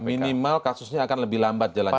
minimal kasusnya akan lebih lambat jalannya